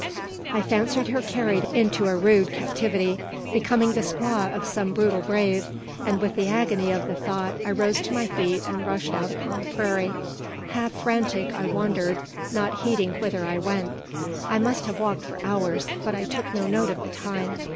I fancied her carried into a rude captivity; becoming the squaw of some brutal brave; and with the agony of the thought I rose to my feet and rushed out upon the prairie. Half frantic, I wandered, not heeding whither I went. I must have walked for hours, but I took no note of the time.